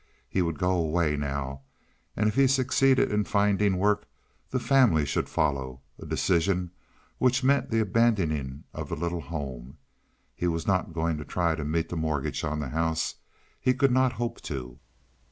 He would go away now, and if he succeeded in finding work the family should follow, a decision which meant the abandoning of the little home. He was not going to try to meet the mortgage on the house—he could not hope to.